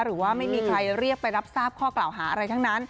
หรือว่าไม่มีใครเรียกไปรับทราบข้อกล่าวหาอะไรทั้งนั้น